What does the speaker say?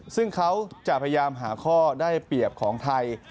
ซึ่งเขาจะพยายามหาข้อได้เปรียบของไทย